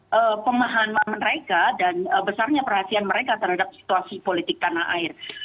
bagaimana pemahaman mereka dan besarnya perhatian mereka terhadap situasi politik tanah air